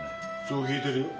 そう聞いてるよ。